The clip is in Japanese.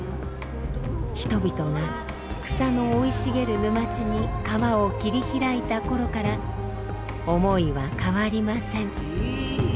人々が草の生い茂る沼地に川を切り開いた頃から思いは変わりません。